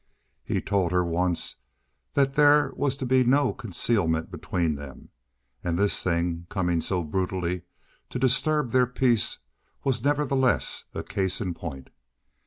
He had told her once that there was to be no concealment between them, and this thing, coming so brutally to disturb their peace, was nevertheless a case in point.